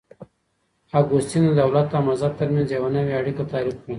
اګوستين د دولت او مذهب ترمنځ يوه نوې اړيکه تعريف کړه.